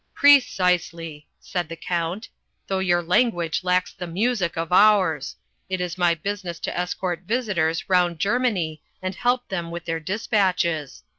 "Precisely," said the Count, "though your language lacks the music of ours. It is my business to escort visitors round Germany and help them with their despatches.